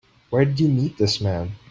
Where'd you meet this man?